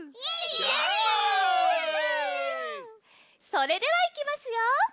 それではいきますよ！